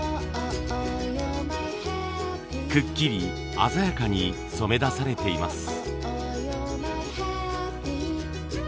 くっきり鮮やかに染めだされています。